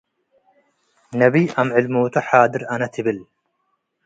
ነቢ አምዕል ሞቱ ሓድር አነ ትብል።